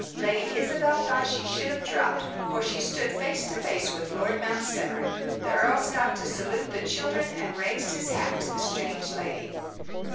Lady Isabel thought she should have dropped, for she stood face to face with Lord Mount Severn. The earl stopped to salute the children, and raised his hat to the strange lady.